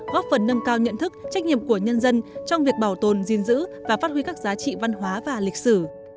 góp phần nâng cao nhận thức trách nhiệm của nhân dân trong việc bảo tồn diên dữ và phát huy các giá trị văn hóa và lịch sử